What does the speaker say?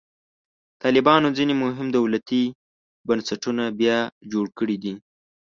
طالبانو ځینې مهم دولتي بنسټونه بیا جوړ کړي دي.